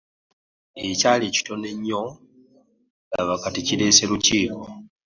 Ekyali ekitono ennyo laba kati kireese lukiiko.